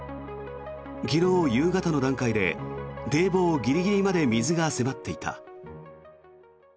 昨日夕方の段階で堤防ギリギリまで水が迫っていた。